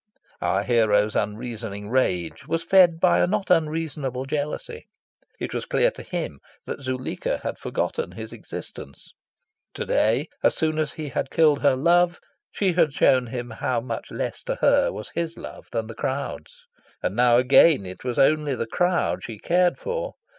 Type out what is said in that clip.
Our hero's unreasoning rage was fed by a not unreasonable jealousy. It was clear to him that Zuleika had forgotten his existence. To day, as soon as he had killed her love, she had shown him how much less to her was his love than the crowd's. And now again it was only the crowd she cared for.